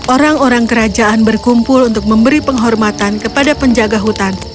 orang orang kerajaan berkumpul untuk memberi penghormatan kepada penjaga hutan